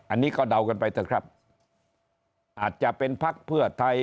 อันนี้ก็เดากันไปเถอะครับอาจจะเป็นพักเพื่อไทย